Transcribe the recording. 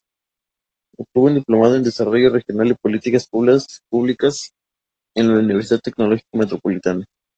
Obtuvo un diplomado en Desarrollo Regional y Políticas Públicas en la Universidad Tecnológica Metropolitana.